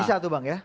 bisa tuh bang ya